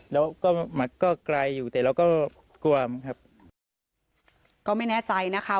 แล้วก็มันก็ไกลอยู่แต่เราก็กลัวครับก็ไม่แน่ใจนะคะ